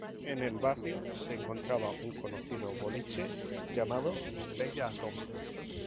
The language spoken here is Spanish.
En el barrio se encontraba un conocido boliche llamado "Bella Roma".